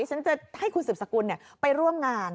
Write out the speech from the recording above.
ฉันจะให้คุณสืบสกุลไปร่วมงาน